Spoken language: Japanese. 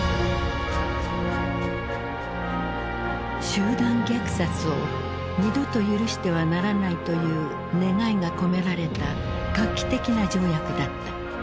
集団虐殺を二度と許してはならないという願いが込められた画期的な条約だった。